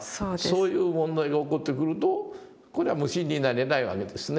そういう問題が起こってくるとこれは無心になれないわけですね